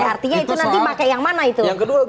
artinya itu nanti pakai yang mana itu